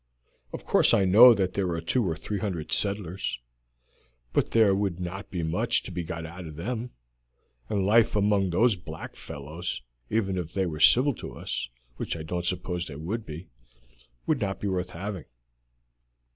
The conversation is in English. Of course I know that there are two or three hundred settlers, but there would not be much to be got out of them, and life among those black fellows, even if they were civil to us, which I don't suppose they would be, would not be worth having."